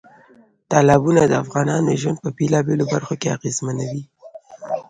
تالابونه د افغانانو ژوند په بېلابېلو برخو کې اغېزمنوي.